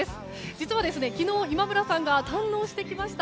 実は、昨日今村さんが堪能してきました。